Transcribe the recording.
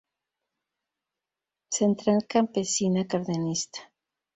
Central Campesina Cardenista.